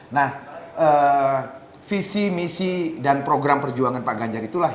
nah visi misi dan program perjuangan pak ganjar itulah